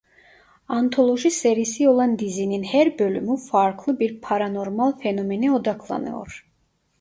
Antoloji serisi olan dizinin her bölümü farklı bir paranormal fenomene odaklanıyor.